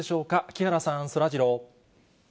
木原さん、そらジロー。